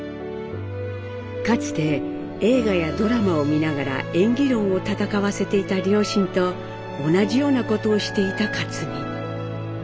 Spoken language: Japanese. かつて映画やドラマを見ながら演技論を戦わせていた両親と同じようなことをしていた克実。